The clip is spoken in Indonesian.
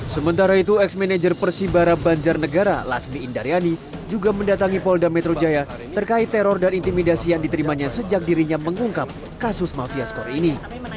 sementara itu ex manager persibara banjarnegara lasmi indaryani juga mendatangi polda metro jaya terkait teror dan intimidasi yang diterimanya sejak dirinya mengungkap kasus mafia skor ini